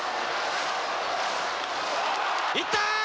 いった！